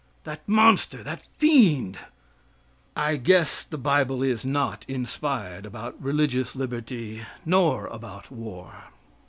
That monster that fiend I guess the Bible is not inspired about religious liberty, nor about war.